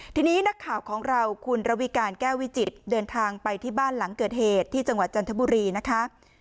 ทีนี้นักข่าวของเราคุณระวิการแก้ววิจิตรเดินทางไปที่บ้านหลังเกิดเหตุที่จังหวัดจันทบุรีนะคะ